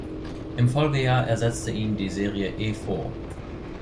Im Folgejahr ersetzte ihn die Serie E-Four.